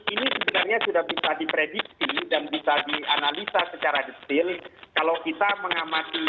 ini sebenarnya sudah bisa diprediksi dan bisa dianalisa secara detail kalau kita mengamati